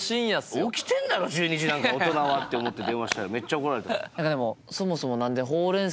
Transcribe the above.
「起きてんだろ１２時なんか大人は」って思って電話したらめっちゃ怒られた。